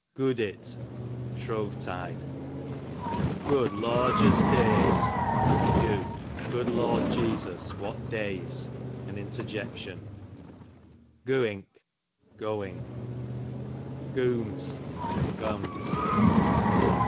, Gooddit, Shrovetide. Good lorjus deys, q. Good Lord Jesus what days ! an interjec tion. Gooink, gohig. Gooms, gums.